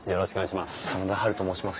真田ハルと申します。